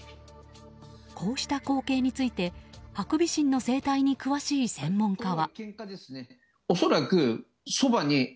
こうした光景についてハクビシンの生態に詳しい専門家は。